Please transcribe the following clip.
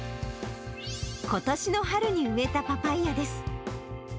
ことしの春に植えたパパイヤです。